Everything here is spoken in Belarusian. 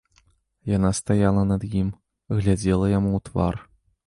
Яна стаяла над ім, глядзела яму ў твар.